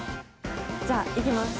じゃあいきます。